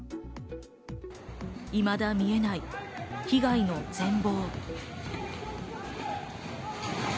いまだ見えない被害の全貌。